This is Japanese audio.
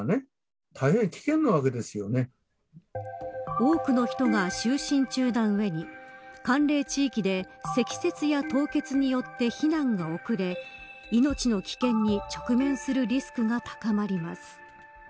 多くの人が就寝中な上に寒冷地域で積雪や凍結によって避難が遅れ命の危険に直面するリスクが高まります。